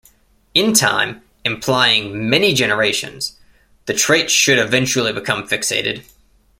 In time, implying many generations, the trait should eventually become fixated.